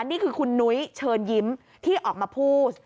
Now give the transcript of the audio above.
นี่คือคุณนุ้ยเชิญยิ้มที่ออกมาพูด